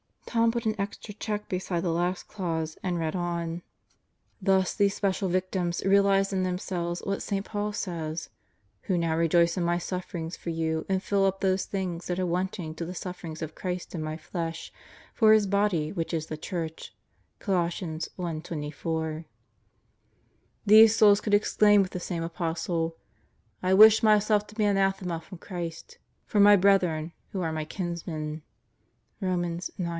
Tom put an extra check beside the last clause and read on: 144 God Goes to Murderers Row "Thus these special Victims realize in themselves what St. Paul says: 'Who now rejoice in my sufferings for you, and fill up those things that are wanting to the sufferings of Christ in my flesh, for His Body, which is the Church' (Col. 1:24). "These souls could exclaim with the same Apostle: <I wished myself to be an anathema from Christ, for my brethren, who are my kinsmen' (Rom. 9:3)."